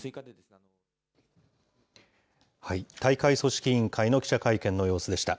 大会組織委員会の記者会見の様子でした。